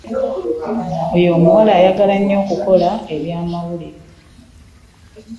Oyo omuwala ayagala nnyo okukola amawulire.